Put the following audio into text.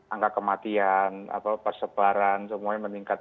angka kematian persebaran semuanya meningkat